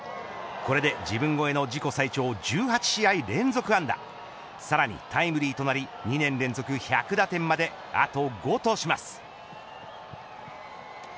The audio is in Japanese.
これで自分超えの自己最長１８試合連続安打さらにタイムリーとなり２年連続１００打点まであと５とします。